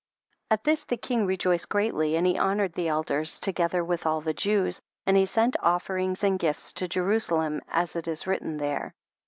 At this the king rejoiced greatly and he honored the elders, together with all the Jews, and he sent offerings and gifts to Jerusalem as it is written there.